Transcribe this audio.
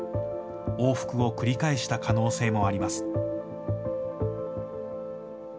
往復を繰り返した可能性もあります。